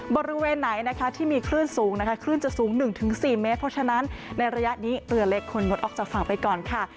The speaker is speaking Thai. บริเวณไหนนะคะที่มีคลื่นสูงนะคะคลื่นจะสูง๑๔เมตรเพราะฉะนั้นในระยะนี้เรือเล็กควรงดออกจากฝั่งไปก่อนค่ะ